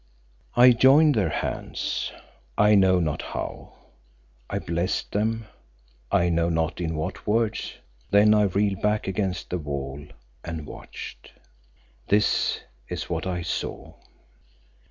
I joined their hands; I know not how; I blessed them, I know not in what words. Then I reeled back against the wall and watched. This is what I saw.